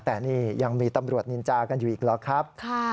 แต่นี่ยังมีตำรวจนินจากันอยู่อีกหรอครับ